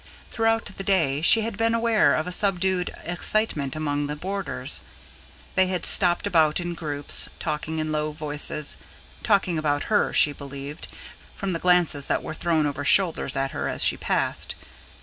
Throughout the day she had been aware of a subdued excitement among the boarders; they had stood about in groups, talking in low voices talking about her, she believed, from the glances that were thrown over shoulders at her as she passed.